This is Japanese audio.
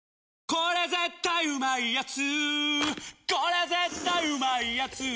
これ絶対うまいやつ」